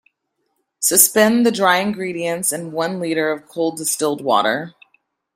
Suspend the dry ingredients in one liter of cold distilled water.